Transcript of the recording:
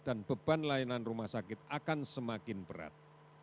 dan beban layanan rumah sakit akan semakin berat